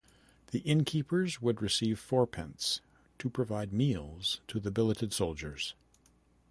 The inn-keepers would receive fourpence to provide meals to the billeted soldiers.